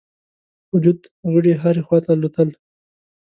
وجود غړي هري خواته الوتل.